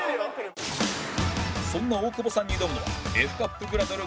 そんな大久保さんに挑むのは Ｆ カップグラドル